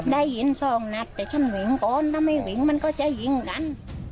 ได้ยินสองนัดแต่ฉันวิ่งก่อนถ้าไม่วิ่งมันก็จะยิงกัน